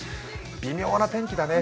微妙な天気だね。